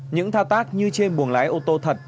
những thao tác như trên buồng lái ô tô thật